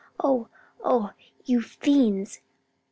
Oh! oh! you fiends!